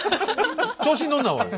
調子に乗んなおい。